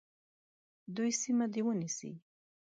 دوی سیمه دي ونیسي.